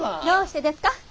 どうしてですか？